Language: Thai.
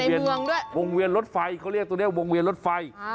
บวงเวียนรถไฟ